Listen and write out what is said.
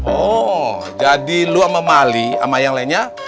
oh jadi lo sama mali sama yang lainnya